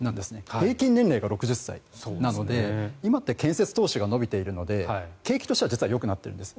平均年齢が６０歳なので今って建設投資が伸びているので景気としては実はよくなっているんです。